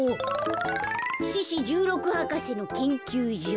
獅子じゅうろく博士のけんきゅうじょ。